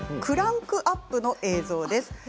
クランクアップの映像です。